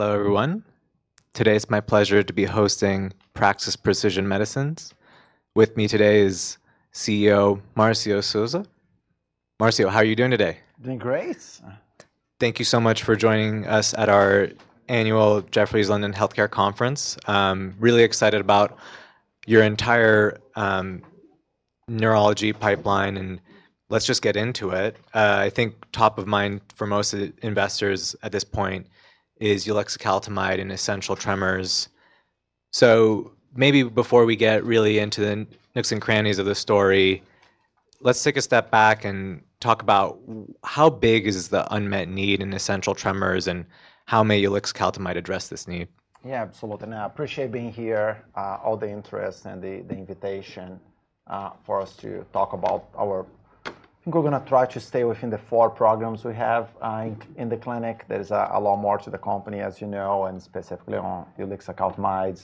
Hello, everyone. Today it's my pleasure to be hosting Praxis Precision Medicines. With me today is CEO Marcio Souza. Marcio, how are you doing today? Doing great. Thank you so much for joining us at our annual Jefferies London Healthcare Conference. I'm really excited about your entire neurology pipeline, and let's just get into it. I think top of mind for most investors at this point is ulixacaltamide and essential tremors. So maybe before we get really into the nooks and crannies of the story, let's take a step back and talk about how big is the unmet need in essential tremors and how may ulixacaltamide address this need? Yeah, absolutely, and I appreciate being here, all the interest and the invitation for us to talk about our... I think we're going to try to stay within the four programs we have in the clinic. There's a lot more to the company, as you know, and specifically on ulixacaltamide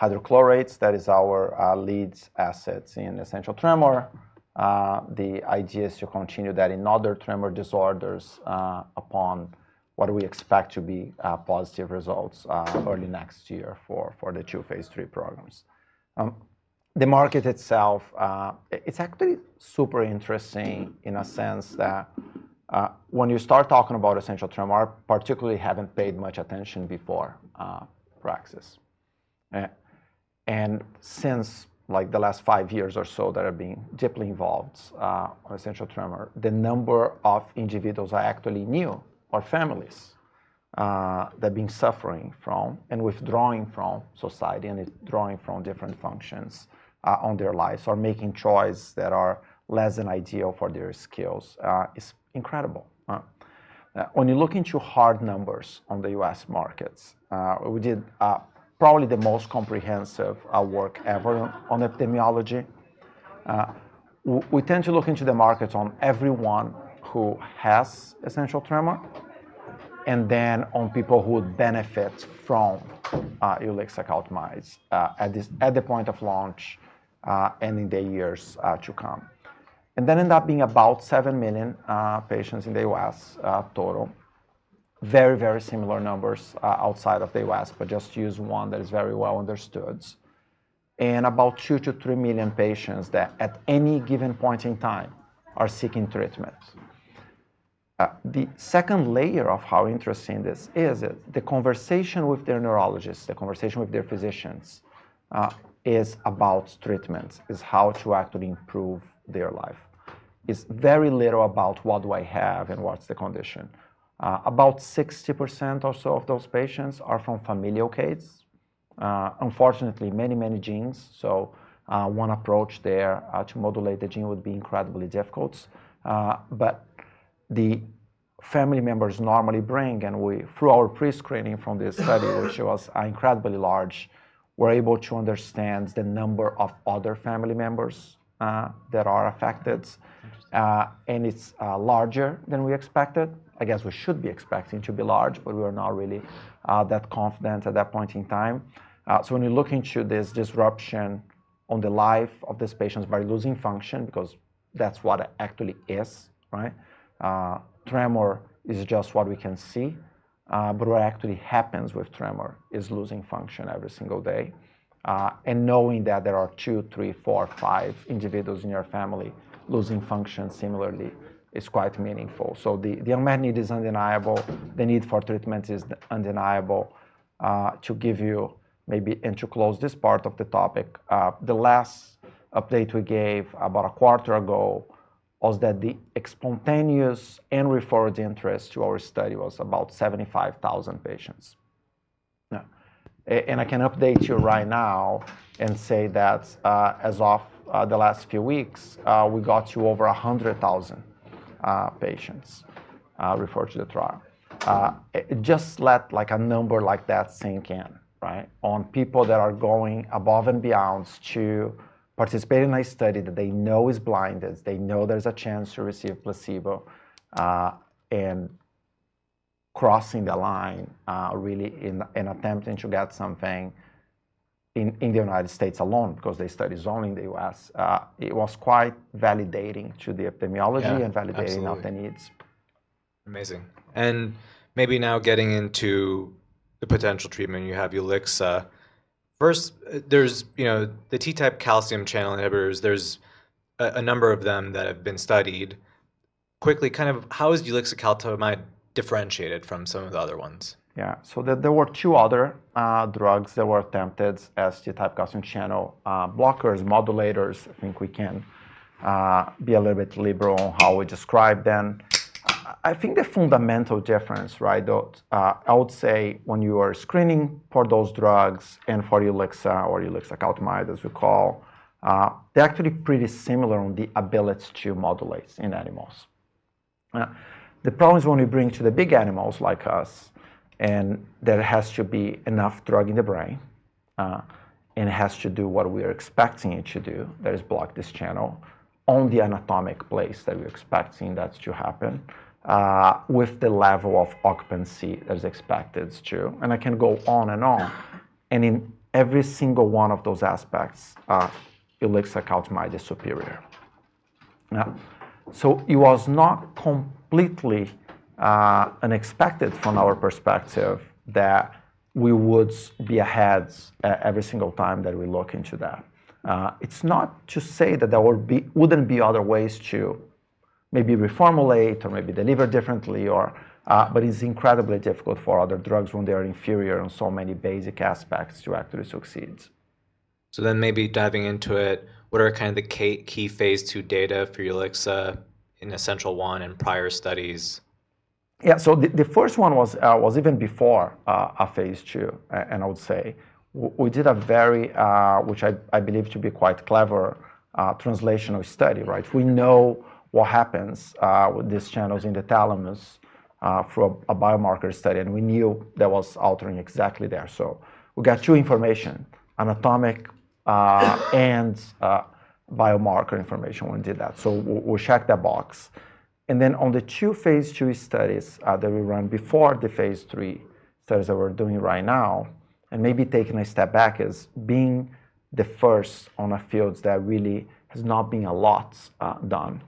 hydrochloride. That is our lead assets in essential tremor. The idea is to continue that in other tremor disorders upon what we expect to be positive results early next year for the two phase III programs. The market itself, it's actually super interesting in a sense that when you start talking about essential tremor, I particularly haven't paid much attention before Praxis. Since like the last five years or so that I've been deeply involved with essential tremor, the number of individuals I actually knew or families that have been suffering from and withdrawing from society and withdrawing from different functions on their lives or making choices that are less than ideal for their skills is incredible. When you look into hard numbers on the U.S. markets, we did probably the most comprehensive work ever on epidemiology. We tend to look into the markets on everyone who has essential tremor and then on people who would benefit from ulixacaltamides at the point of launch and in the years to come. That ended up being about 7 million patients in the U.S. total. Very, very similar numbers outside of the U.S., but just use one that is very well understood. About two to 3 million patients that at any given point in time are seeking treatment. The second layer of how interesting this is, the conversation with their neurologists, the conversation with their physicians is about treatments, is how to actually improve their life. It's very little about what do I have and what's the condition. About 60% or so of those patients are from familial cases. Unfortunately, many, many genes. So one approach there to modulate the gene would be incredibly difficult. But the family members normally bring, and we, through our pre-screening from this study, which was incredibly large, were able to understand the number of other family members that are affected. It's larger than we expected. I guess we should be expecting to be large, but we were not really that confident at that point in time. So when you look into this disruption on the life of this patient's by losing function, because that's what it actually is, right? Tremor is just what we can see, but what actually happens with tremor is losing function every single day. And knowing that there are two, three, four, five individuals in your family losing function similarly is quite meaningful. So the unmet need is undeniable. The need for treatment is undeniable. To give you maybe, and to close this part of the topic, the last update we gave about a quarter ago was that the spontaneous and referred interest to our study was about 75,000 patients. And I can update you right now and say that as of the last few weeks, we got to over 100,000 patients referred to the trial. Just let like a number like that sink in, right? On people that are going above and beyond to participate in a study that they know is blinded, they know there's a chance to receive placebo, and crossing the line really in attempting to get something in the United States alone, because the study is only in the U.S., it was quite validating to the epidemiology and validating of the needs. Amazing. And maybe now getting into the potential treatment you have, ulixacaltamide. First, there's the T-type calcium channel inhibitors. There's a number of them that have been studied. Quickly, kind of how is ulixacaltamide differentiated from some of the other ones? Yeah, so there were two other drugs that were attempted as T-type calcium channel blockers, modulators. I think we can be a little bit liberal on how we describe them. I think the fundamental difference, right, I would say when you are screening for those drugs and for ulixacaltamide, as we call, they're actually pretty similar on the ability to modulate in animals. The problem is when we bring to the big animals like us, and there has to be enough drug in the brain, and it has to do what we are expecting it to do, that is block this channel on the anatomic place that we're expecting that to happen with the level of occupancy that is expected to. And I can go on and on. And in every single one of those aspects, ulixacaltamide is superior. It was not completely unexpected from our perspective that we would be ahead every single time that we look into that. It's not to say that there wouldn't be other ways to maybe reformulate or maybe deliver differently, but it's incredibly difficult for other drugs when they are inferior on so many basic aspects to actually succeed. So then maybe diving into it, what are kind of the key phase II data for ulixacaltamide in Essential1 and prior studies? Yeah, so the first one was even before a phase II, and I would say we did a very, which I believe to be quite clever, translational study, right? We know what happens with these channels in the thalamus through a biomarker study, and we knew there was alteration exactly there. So we got two information, anatomical and biomarker information when we did that. So we checked that box. And then on the two phase II studies that we ran before the phase III studies that we're doing right now, and maybe taking a step back is being the first in a field that really has not been a lot done.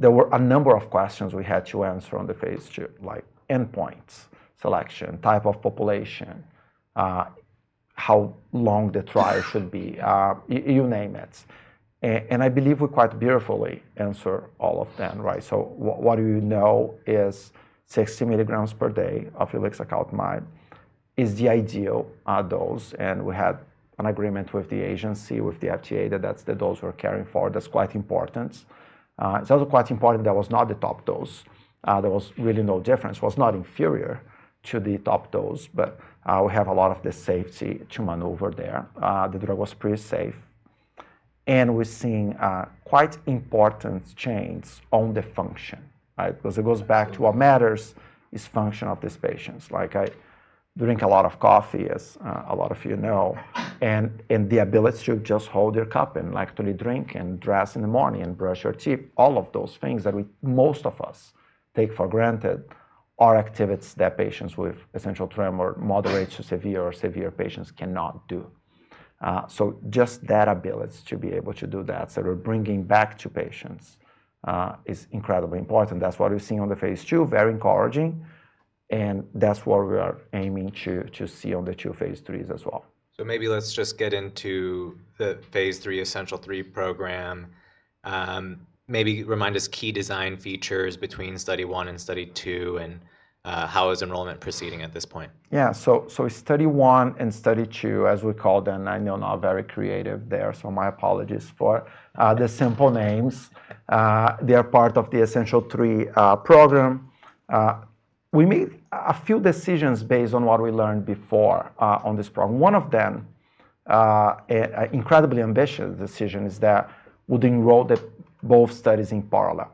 There were a number of questions we had to answer on the phase II, like endpoints, selection, type of population, how long the trial should be, you name it. I believe we quite beautifully answered all of them, right? What we know is 60 mg per day of ulixacaltamide is the ideal dose. We had an agreement with the agency, with the FDA that that's the dose we're caring for. That's quite important. It's also quite important that was not the top dose. There was really no difference. It was not inferior to the top dose, but we have a lot of the safety to maneuver there. The drug was pretty safe. We're seeing quite important changes on the function, right? Because it goes back to what matters is function of these patients. Like I drink a lot of coffee, as a lot of you know, and the ability to just hold your cup and actually drink and dress in the morning and brush your teeth, all of those things that most of us take for granted are activities that patients with essential tremor, moderate to severe or severe patients cannot do. So just that ability to be able to do that, that we're bringing back to patients is incredibly important. That's what we're seeing on the phase II, very encouraging. And that's what we are aiming to see on the two phase IIIs as well. So maybe let's just get into the phase III Essential3 program. Maybe remind us key design features between Study 1 and Study 2 and how is enrollment proceeding at this point? Yeah, so Study 1 and Study 2, as we call them, I know not very creative there, so my apologies for the simple names. They are part of the Essential3 program. We made a few decisions based on what we learned before on this problem. One of them, an incredibly ambitious decision is that we'd enroll both studies in parallel.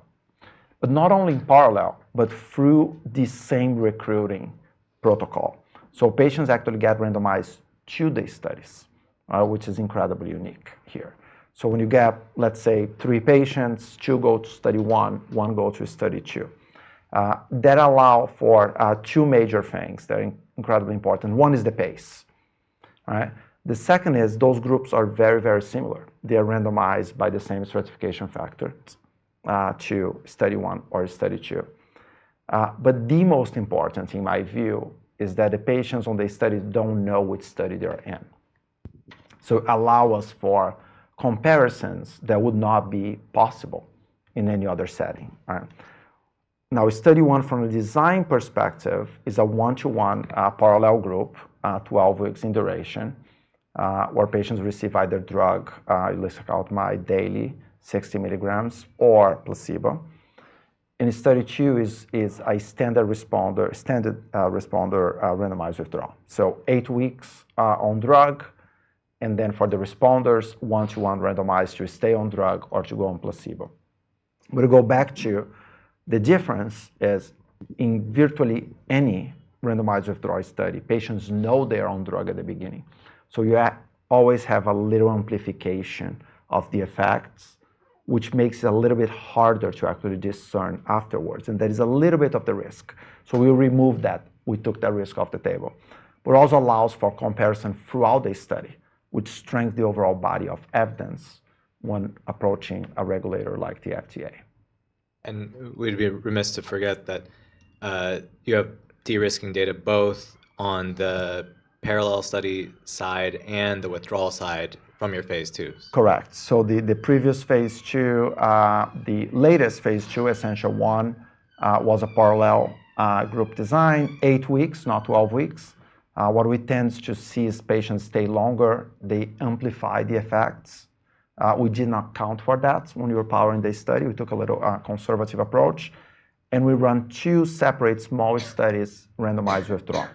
But not only in parallel, but through the same recruiting protocol. So patients actually get randomized to these studies, which is incredibly unique here. So when you get, let's say, three patients, two go to Study 1, one goes to Study 2. That allows for two major things that are incredibly important. One is the pace. The second is those groups are very, very similar. They are randomized by the same stratification factor to Study 1 or Study 2. But the most important thing, in my view, is that the patients on the study don't know which study they're in. So it allows us for comparisons that would not be possible in any other setting. Now, study one from a design perspective is a one-to-one parallel group, 12 weeks in duration, where patients receive either drug, ulixacaltamide daily, 60 mg, or placebo. And study two is a standard responder, standard responder randomized withdrawal. So eight weeks on drug, and then for the responders, one-to-one randomized to stay on drug or to go on placebo. But to go back to the difference is in virtually any randomized withdrawal study, patients know they're on drug at the beginning. So you always have a little amplification of the effects, which makes it a little bit harder to actually discern afterwards. And that is a little bit of the risk. So we removed that. We took that risk off the table. But it also allows for comparison throughout the study, which strengthens the overall body of evidence when approaching a regulator like the FDA. We'd be remiss to forget that you have de-risking data both on the parallel study side and the withdrawal side from your phase II. Correct. So the previous phase II, the latest phase II, essential one, was a parallel group design, eight weeks, not 12 weeks. What we tend to see is patients stay longer. They amplify the effects. We did not account for that when we were powering the study. We took a little conservative approach and we ran two separate small studies, randomized withdrawal.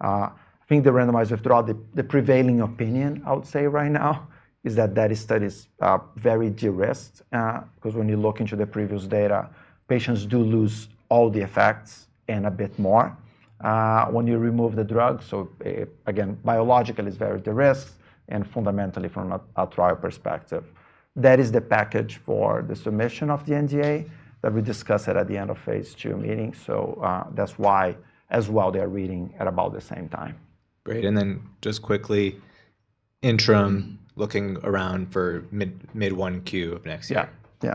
I think the randomized withdrawal, the prevailing opinion, I would say right now, is that that study is very de-risked, because when you look into the previous data, patients do lose all the effects and a bit more when you remove the drug. So again, biologically, it is very de-risked and fundamentally from a trial perspective. That is the package for the submission of the NDA that we discussed at the end of phase II meeting. So that is why as well they are reading at about the same time. Great. And then, just quickly, interim looking around for mid-1Q of next year. Yeah,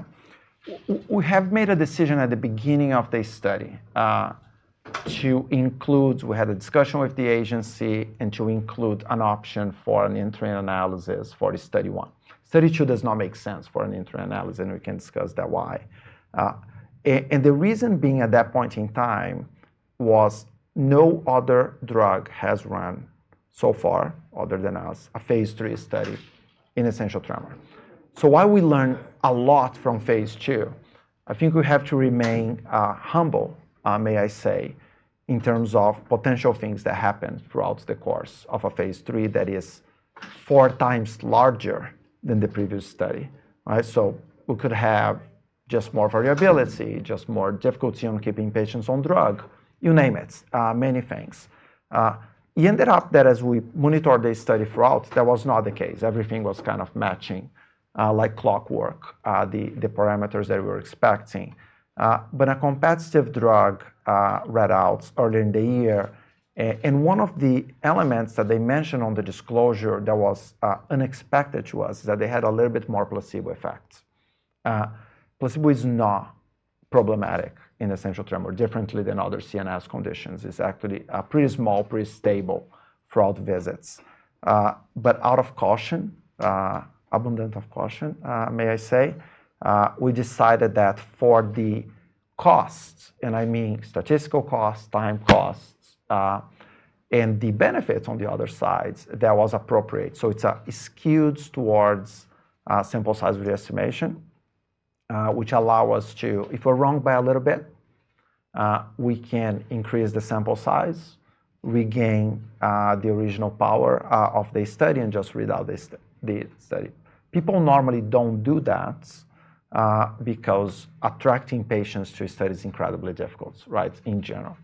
yeah. We have made a decision at the beginning of the study to include. We had a discussion with the agency and to include an option for an interim analysis for Study 1. Study 2 does not make sense for an interim analysis, and we can discuss that why. And the reason being at that point in time was no other drug has run so far, other than us, a phase III study in essential tremor. So while we learn a lot from phase II, I think we have to remain humble, may I say, in terms of potential things that happen throughout the course of a phase III that is four times larger than the previous study, right? So we could have just more variability, just more difficulty on keeping patients on drug, you name it, many things. It ended up that as we monitored the study throughout, that was not the case. Everything was kind of matching like clockwork, the parameters that we were expecting. But a competitive drug read out early in the year, and one of the elements that they mentioned on the disclosure that was unexpected to us is that they had a little bit more placebo effects. Placebo is not problematic in essential tremor, differently than other CNS conditions. It's actually pretty small, pretty stable throughout visits. But out of caution, abundant of caution, may I say, we decided that for the costs, and I mean statistical costs, time costs, and the benefits on the other sides, that was appropriate. So it's skewed towards sample size re-estimation, which allows us to, if we're wrong by a little bit, we can increase the sample size, regain the original power of the study, and just read out the study. People normally don't do that because attracting patients to a study is incredibly difficult, right, in general.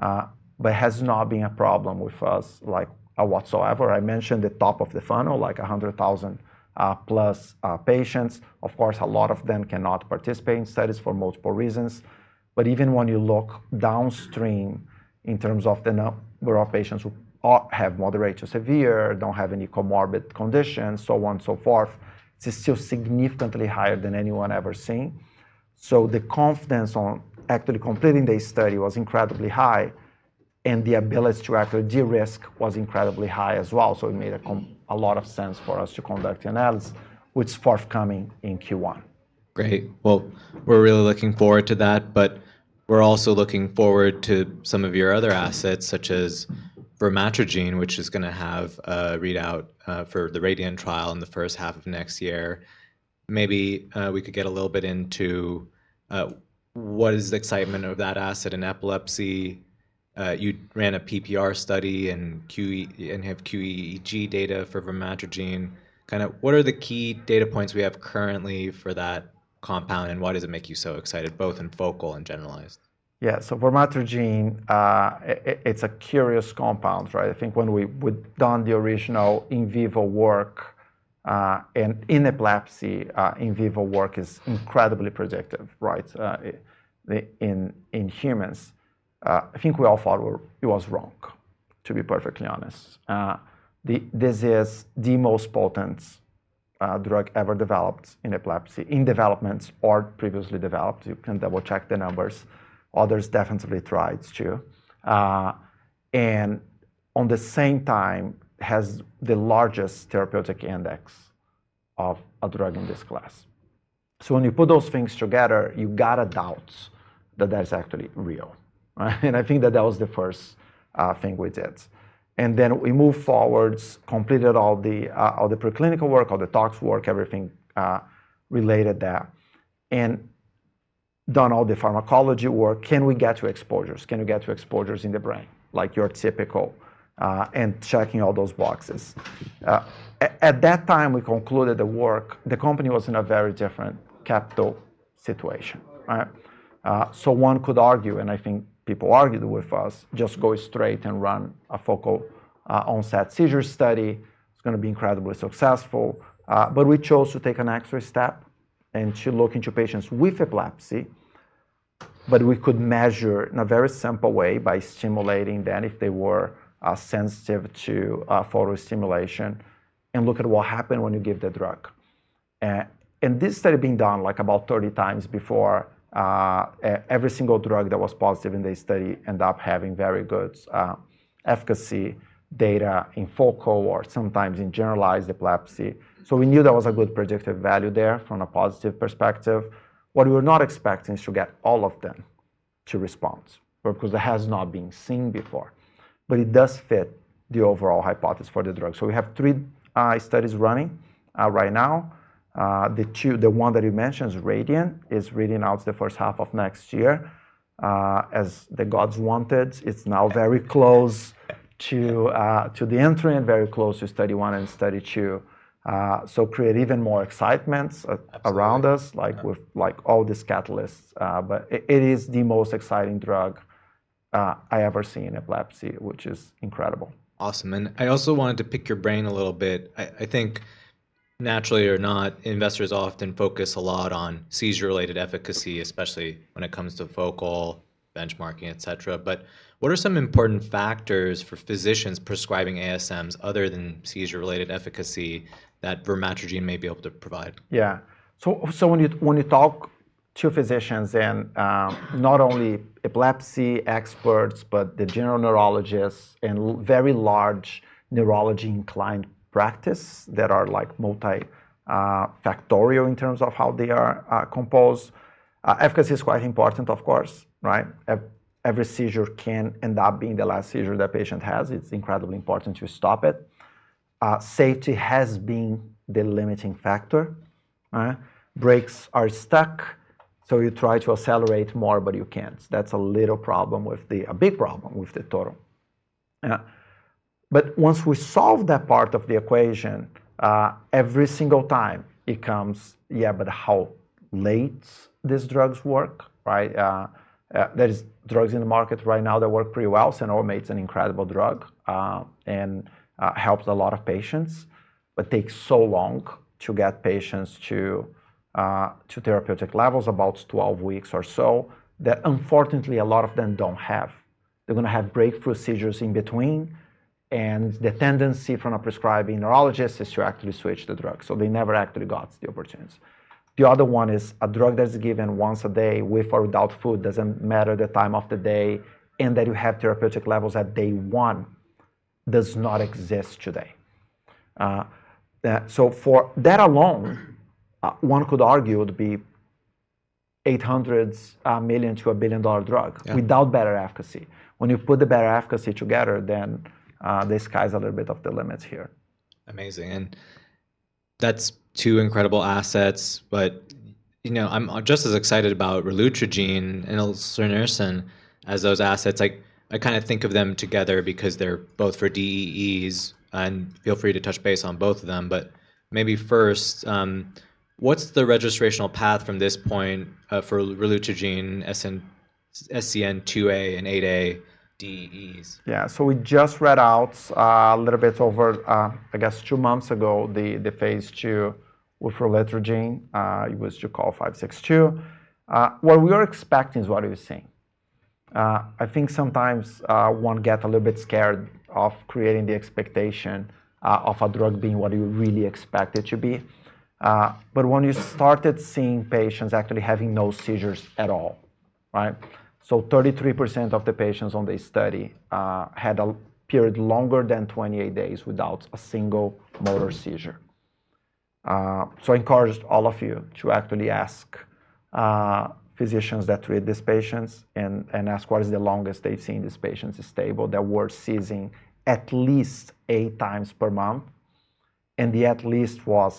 But it has not been a problem with us like whatsoever. I mentioned the top of the funnel, like 100,000 plus patients. Of course, a lot of them cannot participate in studies for multiple reasons. But even when you look downstream in terms of the number of patients who have moderate to severe, don't have any comorbid conditions, so on and so forth, it's still significantly higher than anyone has ever seen. So the confidence on actually completing the study was incredibly high, and the ability to actually de-risk was incredibly high as well. So it made a lot of sense for us to conduct the analysis, which is forthcoming in Q1. Great. Well, we're really looking forward to that, but we're also looking forward to some of your other assets, such as vormatrigine, which is going to have a readout for the Radiant trial in the first half of next year. Maybe we could get a little bit into what is the excitement of that asset in epilepsy. You ran a PPR study and have QEEG data for vormatrigine. Kind of what are the key data points we have currently for that compound, and why does it make you so excited, both in focal and generalized? Yeah, so vormatrigine, it's a curious compound, right? I think when we've done the original in vivo work and in epilepsy, in vivo work is incredibly predictive, right, in humans. I think we all thought it was wrong, to be perfectly honest. This is the most potent drug ever developed in epilepsy, in developments or previously developed. You can double-check the numbers. Others definitely tried to. And at the same time, it has the largest therapeutic index of a drug in this class. So when you put those things together, you got to doubt that that's actually real. And I think that that was the first thing we did. And then we moved forward, completed all the preclinical work, all the tox work, everything related there, and done all the pharmacology work. Can we get to exposures? Can we get to exposures in the brain, like your typical, and checking all those boxes? At that time, we concluded the work. The company was in a very different capital situation, right? So one could argue, and I think people argued with us, just go straight and run a focal onset seizure study. It's going to be incredibly successful. But we chose to take an extra step and to look into patients with epilepsy, but we could measure in a very simple way by stimulating them if they were sensitive to photostimulation and look at what happened when you give the drug. And this study being done like about 30 times before, every single drug that was positive in this study ended up having very good efficacy data in focal or sometimes in generalized epilepsy. So we knew there was a good predictive value there from a positive perspective. What we were not expecting is to get all of them to respond, because it has not been seen before, but it does fit the overall hypothesis for the drug, so we have three studies running right now. The one that you mentioned is Radiant. It's reading out the first half of next year. As the gods wanted, it's now very close to the interim, very close to study one and study two, so create even more excitement around us, like all these catalysts, but it is the most exciting drug I ever seen in epilepsy, which is incredible. Awesome. And I also wanted to pick your brain a little bit. I think naturally or not, investors often focus a lot on seizure-related efficacy, especially when it comes to focal benchmarking, et cetera. But what are some important factors for physicians prescribing ASMs other than seizure-related efficacy that vormatrigine may be able to provide? Yeah. So when you talk to physicians, and not only epilepsy experts, but the general neurologists and very large neurology-inclined practices that are multifactorial in terms of how they are composed, efficacy is quite important, of course, right? Every seizure can end up being the last seizure that a patient has. It's incredibly important to stop it. Safety has been the limiting factor. Brakes are stuck. So you try to accelerate more, but you can't. That's a little problem with the, a big problem with the total. But once we solve that part of the equation, every single time it comes, yeah, but how well these drugs work, right? There are drugs in the market right now that work pretty well. Cenobamate is an incredible drug and helps a lot of patients, but takes so long to get patients to therapeutic levels, about 12 weeks or so, that unfortunately a lot of them don't have. They're going to have breakthrough seizures in between. And the tendency from a prescribing neurologist is to actually switch the drug. So they never actually got the opportunity. The other one is a drug that's given once a day, with or without food, doesn't matter the time of the day, and that you have therapeutic levels at day one does not exist today. So for that alone, one could argue it would be $800 million to a $1 billion drug without better efficacy. When you put the better efficacy together, then the sky's a little bit off the limits here. Amazing. And that's two incredible assets. But I'm just as excited about relutrigine and elsunersen as those assets. I kind of think of them together because they're both for DEEs. And feel free to touch base on both of them. But maybe first, what's the registrational path from this point for relutrigine, SCN2A and SCN8A DEEs? Yeah. So we just read out a little bit over, I guess, two months ago, the phase II with relutrigine. It was PRAX-562. What we were expecting is what we've seen. I think sometimes one gets a little bit scared of creating the expectation of a drug being what you really expect it to be. But when you started seeing patients actually having no seizures at all, right? So 33% of the patients on the study had a period longer than 28 days without a single motor seizure. So I encouraged all of you to actually ask physicians that treat these patients and ask what is the longest they've seen these patients is stable that were seizing at least eight times per month. And the at least was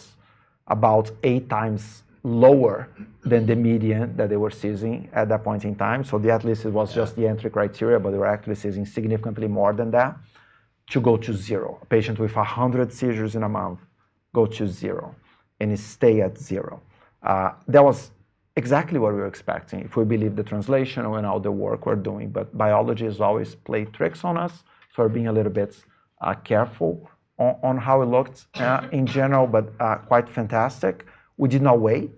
about eight times lower than the median that they were seizing at that point in time. So the baseline was just the entry criteria, but they were actually seizing significantly more than that to go to zero. A patient with 100 seizures in a month go to zero and stay at zero. That was exactly what we were expecting if we believe the titration and all the work we're doing. But biology has always played tricks on us. So we're being a little bit careful on how it looked in general, but quite fantastic. We did not wait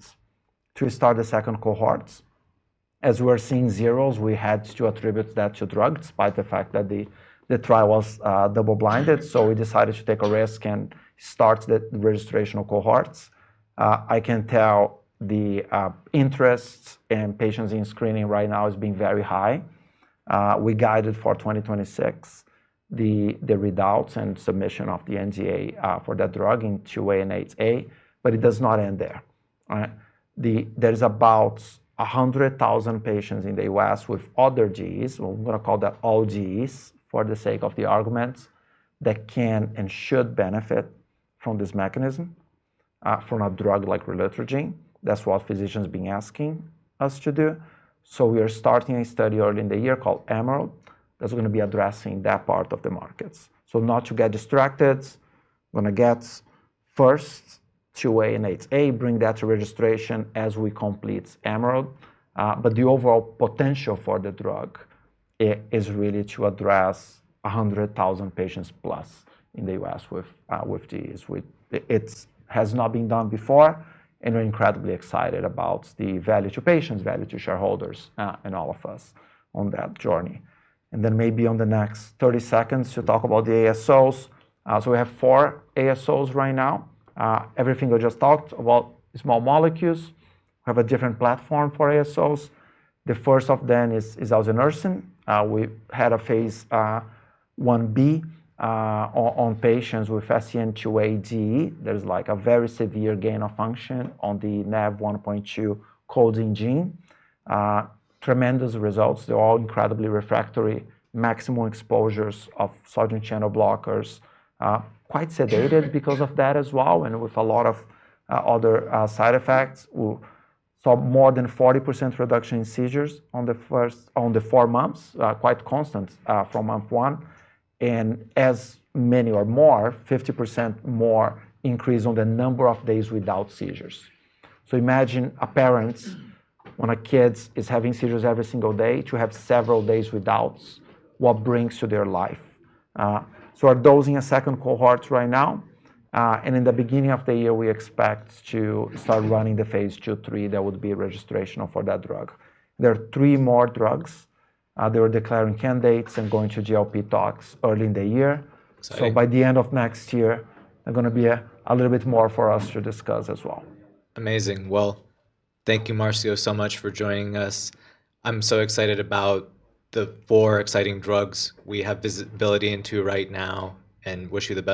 to start the second cohorts. As we were seeing zeros, we had to attribute that to drugs despite the fact that the trial was double-blinded. So we decided to take a risk and start the recruitment of cohorts. I can tell the interest in patients in screening right now is being very high. We guided for 2026 the readouts and submission of the NDA for that drug in 2A and 8A. But it does not end there, right? There's about 100,000 patients in the U.S. with other DEEs. I'm going to call that all DEEs for the sake of the arguments that can and should benefit from this mechanism from a drug like relutrigine. That's what physicians have been asking us to do. So we are starting a study early in the year called Emerald that's going to be addressing that part of the markets. So not to get distracted, we're going to get first 2A and 8A, bring that to registration as we complete Emerald. But the overall potential for the drug is really to address 100,000 patients plus in the U.S. with DEEs. It has not been done before. And we're incredibly excited about the value to patients, value to shareholders, and all of us on that journey. And then maybe in the next 30 seconds to talk about the ASOs. So we have four ASOs right now. Everything I just talked about small molecules. We have a different platform for ASOs. The first of them is elsunersen. We had a phase I-B on patients with SCN2A DEE. There's like a very severe gain of function on the Nav1.2 coding gene. Tremendous results. They're all incredibly refractory. Maximally exposed to sodium channel blockers, quite sedated because of that as well, and with a lot of other side effects. So more than 40% reduction in seizures over the four months, quite constant from month one. And as many or more, 50% more increase in the number of days without seizures. So imagine a parent when a kid is having seizures every single day to have several days without what brings to their life. So we're dosing a second cohort right now. And in the beginning of the year, we expect to start running the phase II, III that would be registrational for that drug. There are three more drugs. They were declaring candidates and going to GLP tox early in the year. So by the end of next year, there's going to be a little bit more for us to discuss as well. Amazing. Well, thank you, Marcio, so much for joining us. I'm so excited about the four exciting drugs we have visibility into right now and wish you the.